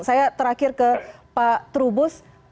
saya terakhir ke pak trubus